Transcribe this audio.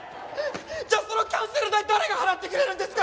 じゃあそのキャンセル代誰が払ってくれるんですか？